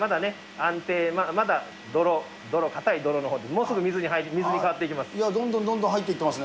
安定、まだ泥、硬い泥のほうで、もうすぐ水に変わっていきます。